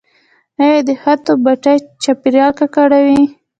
آیا د خښتو بټۍ چاپیریال ککړوي؟